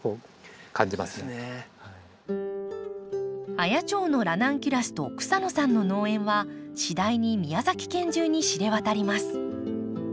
綾町のラナンキュラスと草野さんの農園は次第に宮崎県中に知れ渡ります。